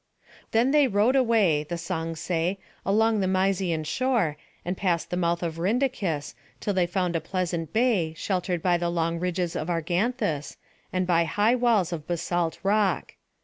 Then they rowed away, the songs say, along the Mysian shore, and past the mouth of Rhindacus, till they found a pleasant bay, sheltered by the long ridges of Arganthus, and by high walls of basalt rock.